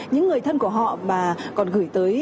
những người thân của họ mà còn gửi tới